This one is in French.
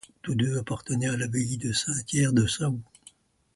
Tous deux appartenaient à l'abbaye de Saint-Tiers de Saou.